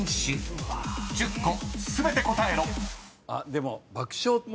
でも。